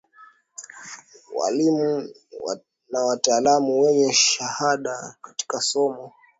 waalimu na wataalamu wenye shahada katika somo